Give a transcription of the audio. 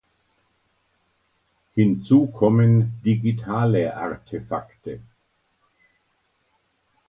Hinzu kommen digitale Artefakte.